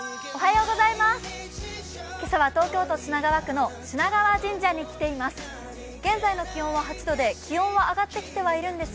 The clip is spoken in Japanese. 今朝は東京都品川区の品川神社に来ています。